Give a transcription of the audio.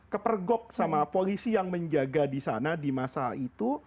kepergok sama polisi yang menjaga di sana di masa itu